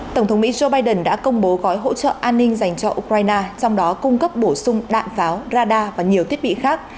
tổng thống mỹ joe biden đã công bố gói hỗ trợ an ninh dành cho ukraine trong đó cung cấp bổ sung đạn pháo radar và nhiều thiết bị khác